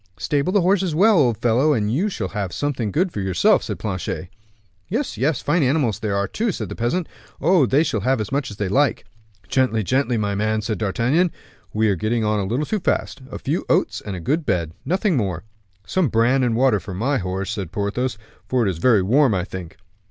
"Stable the horses well, old fellow, and you shall have something good for yourself," said Planchet. "Yes, yes; fine animals they are too," said the peasant. "Oh! they shall have as much as they like." "Gently, gently, my man," said D'Artagnan, "we are getting on a little too fast. A few oats and a good bed nothing more." "Some bran and water for my horse," said Porthos, "for it is very warm, I think."